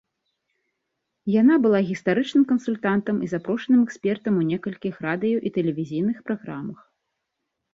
Яна была гістарычным кансультантам і запрошаным экспертам у некалькіх радыё- і тэлевізійных праграмах.